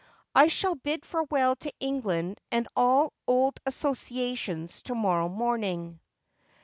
I shall bid farewell to England and all old associations to morrow morning.'